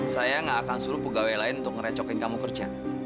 saya gak akan suruh pegawai lain untuk ngerecokin kamu kerja